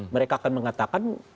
mereka akan mengatakan